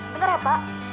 bentar ya pak